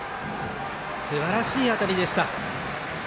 すばらしい当たりでした。